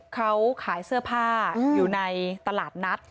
เขาขายเสื้อผ้าอยู่ในตลาดนัด